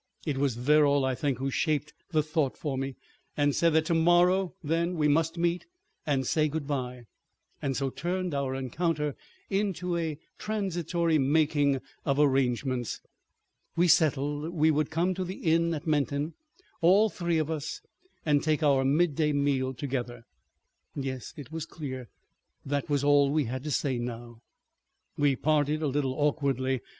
It was Verrall, I think, who shaped the thought for me, and said that to morrow then we must meet and say good bye, and so turned our encounter into a transitory making of arrangements. We settled we would come to the inn at Menton, all three of us, and take our midday meal together. ... Yes, it was clear that was all we had to say now. ... We parted a little awkwardly.